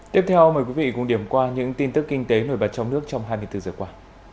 tiếp theo mời quý vị cùng điểm qua những tin tức kinh tế nổi bật trong nước trong hai mươi bốn giờ qua